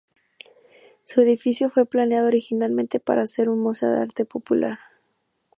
Su edificio fue planeado originalmente para ser un museo de arte popular.